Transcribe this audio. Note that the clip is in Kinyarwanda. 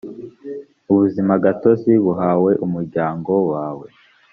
ubuzimagatozi buhawe umuryango wawe